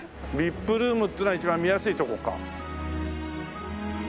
ＶＩＰルームってのは一番見やすいとこか。